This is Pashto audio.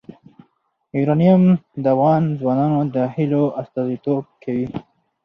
یورانیم د افغان ځوانانو د هیلو استازیتوب کوي.